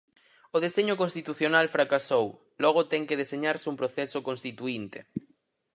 O deseño constitucional fracasou, logo ten que deseñarse un proceso constituínte.